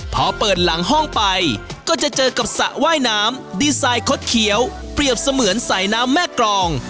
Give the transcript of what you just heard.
พอเปิดหลังห้องไปก็จะเจอกับสระว่ายน้ำดีไซน์คดเขียวเปรียบเสมือนสายน้ำแม่กรอง